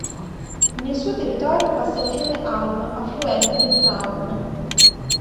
Nel suo territorio passa il fiume Alm, affluente del Traun.